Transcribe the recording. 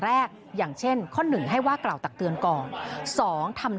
อย่างเช่นข้อ๑ให้ว่ากล่าวตักเตือนก่อน